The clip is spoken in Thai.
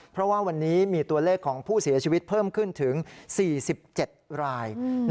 เพราะว่าวันนี้มีตัวเลขของผู้เสียชีวิตเพิ่มขึ้นถึง๔๗ราย